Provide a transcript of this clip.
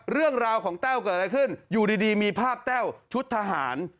เรื่องราวของแต้วเกิดอะไรขึ้นอยู่ดีมีภาพแต้วชุดทหาร